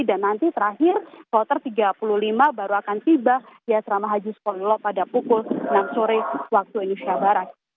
dan nanti terakhir klotor tiga puluh lima baru akan tiba di asrama haji sekolilo pada pukul enam sore waktu indonesia barat